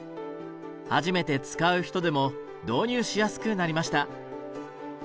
初めて使う人でも導入しやすくなりました。